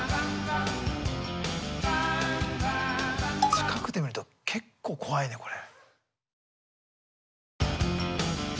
近くで見ると結構怖いねこれ。